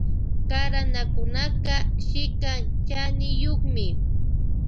Karanakunaka shikan chaniyukmi.